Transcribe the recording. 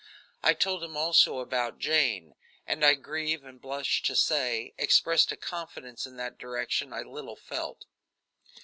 I told him also about Jane; and, I grieve and blush to say, expressed a confidence in that direction I little felt.